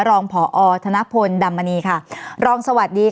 รองผอธนพลดำมณีค่ะรองสวัสดีค่ะ